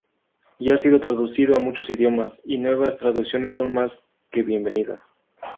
Ya ha sido traducido a muchos idiomas, y nuevas traducciones son más que bienvenidas.